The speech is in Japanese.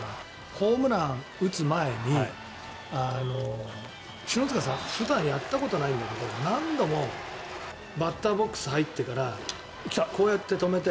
ホームラン打つ前に、篠塚さん普段やったことないんだけど何度もバッターボックス入ってからこうやって止めて。